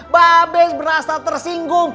babek berasa tersinggung